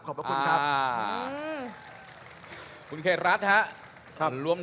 ขอบคุณครับ